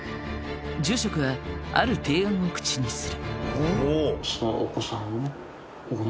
住職はある提案を口にする。